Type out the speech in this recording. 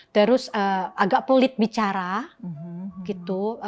terus agak pelit bicara gitu